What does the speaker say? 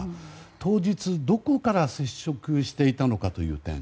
当日、どこから接触していたのかという点。